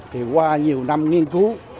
thì qua nhiều năm nghiên cứu